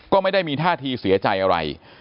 ก็ไม่ได้มีท่าทีเสียใจอะไร